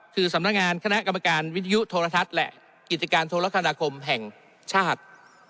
คือสำนักงานคณะกรรมการวิทยุโทรทัศน์และกิจการโทรคณาคมแห่งชาติ